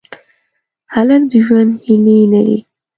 هلک د ژوند هیلې لري.